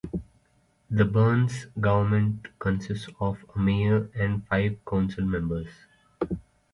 The Burns government consists of a mayor and five council members.